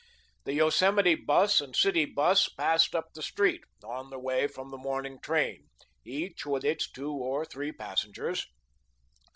The Yosemite 'bus and City 'bus passed up the street, on the way from the morning train, each with its two or three passengers.